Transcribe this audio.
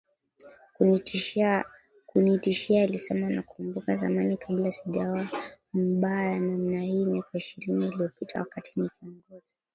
kunitishia alisemaNakumbuka zamani kabla sijawa mbaya namna hii miaka ishirini iliyopita wakati nikiongoza